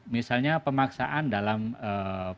misalnya pemaksaan dalam perkara